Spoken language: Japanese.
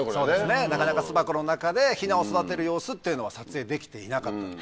なかなか巣箱の中でヒナを育てる様子っていうのは撮影できていなかった。